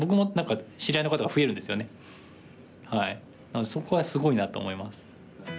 なのでそこはすごいなと思います。